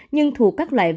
nhưng thuộc các loại vé